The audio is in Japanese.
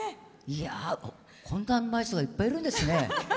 こんなうまい人がいっぱいいるんですね。